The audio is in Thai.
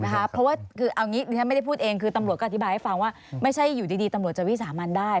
เพราะว่าคือเอางี้ฉันไม่ได้พูดเองคือตำรวจก็อธิบายให้ฟังว่าไม่ใช่อยู่ดีตำรวจจะวิสามันได้